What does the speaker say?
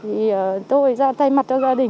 thì tôi ra tay mặt cho gia đình